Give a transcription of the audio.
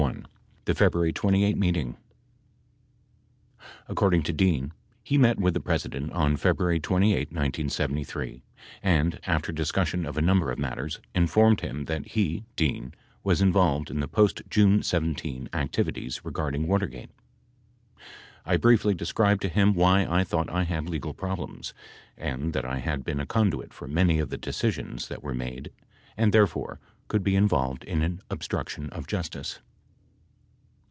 THE FEBRUARY 28 MEETING According to Dean, he met with the President on February 28, 1973, and, after discussion of a number of matters, informed him that he (Dean) was involved in the post June 17 activities regarding Water gate. "I briefly described to him why I thought I had legal problems, and that I had been a conduit for many of the decisions that were made and, therefore, could be involved in an obstruction of justice."